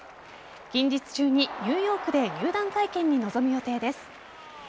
近日中にニューヨークで入団会見に臨む予定です。